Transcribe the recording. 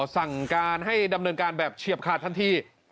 สั่งการให้ดำเนินการแบบเฉียบขาดทันที